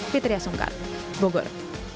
fitri asungkar bogor